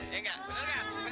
iya nggak bener kan bener kan